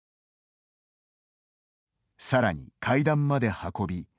さらに階段まで運び